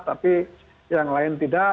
tapi yang lain tidak